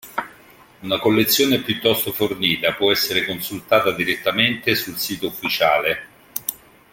Una collezione piuttosto fornita può essere consultata direttamente sul sito ufficiale.